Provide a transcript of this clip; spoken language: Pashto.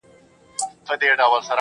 کله به دې ووینمه ؟څومره به دې ووینم